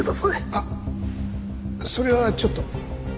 あっそれはちょっと。